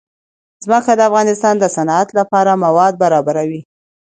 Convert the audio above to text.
ځمکه د افغانستان د صنعت لپاره مواد برابروي.